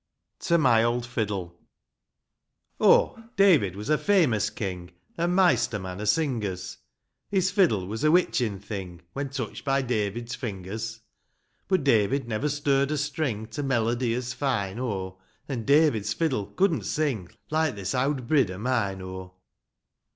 i;© my ®Ut ^lUU. H, David was a famous king, An' maister man o' singers ; His fiddle was a witching thing When touched by David's fingers But David never stirred a string To melody as fine, oh, And David's fiddle couldn't sing Like this owd brid o' mine, oh !